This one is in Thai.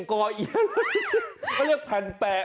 เขาไปเรียกกาวเยี๊ยะ